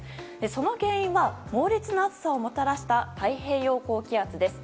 その原因は猛烈な暑さをもたらした太平洋高気圧です。